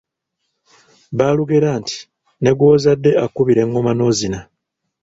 Baalugera nti; ne gw'ozadde akubira eŋŋoma n’ozina.